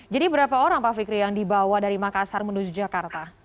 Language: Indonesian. jadi berapa orang pak fikri yang dibawa dari makassar menuju jakarta